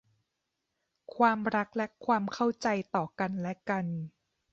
ความรักและความเข้าใจต่อกันและกัน